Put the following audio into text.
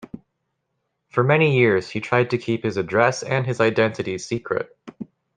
For many years he tried to keep his address and his identity secret.